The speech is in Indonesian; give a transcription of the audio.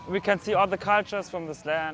kita bisa melihat semua budaya dari negara ini